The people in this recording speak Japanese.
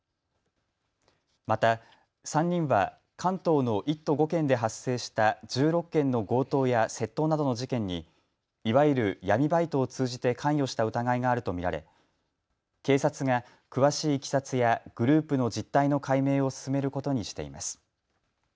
また３人は関東の１都５県で発生した１６件の強盗や窃盗などの事件にいわゆる闇バイトを通じて関与した疑いがあると見られ、警察が詳しいいきさつやグループの実態の解明を進めることにしています。